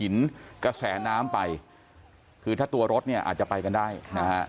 กระแสน้ำไปคือถ้าตัวรถเนี่ยอาจจะไปกันได้นะฮะ